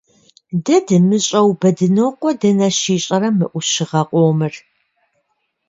Дэ дымыщӀэу, Бэдынокъуэ дэнэ щищӀэрэ мы Ӏущыгъэ къомыр?